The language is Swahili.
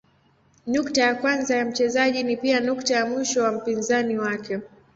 Nukta ya kwanza ya mchezaji ni pia nukta ya mwisho wa mpinzani wake.